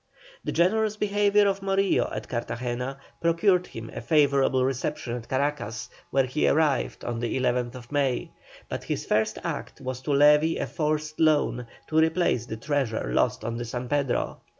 The generous behaviour of Morillo at Margarita procured him a favourable reception at Caracas, where he arrived on the 11th May, but his first act was to levy a forced loan to replace the treasure lost on the San Pedro.